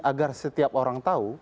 agar setiap orang tahu